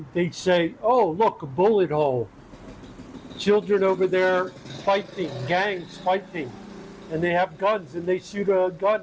เมื่อกีโอเช่นก่อนผมมาหน้า